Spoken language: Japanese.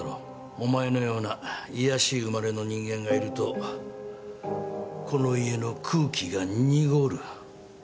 お前のような卑しい生まれの人間がいるとこの家の空気が濁る。